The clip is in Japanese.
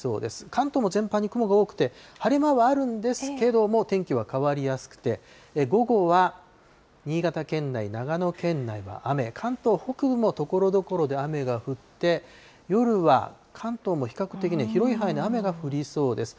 関東も全般に雲が多くて、晴れ間はあるんですけども、天気は変わりやすくて、午後は新潟県内、長野県内は雨、関東北部もところどころで雨が降って、夜は関東も比較的ね、広い範囲で雨が降りそうです。